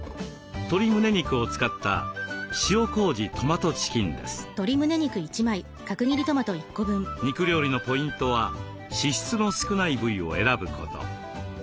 鶏むね肉を使った肉料理のポイントは脂質の少ない部位を選ぶこと。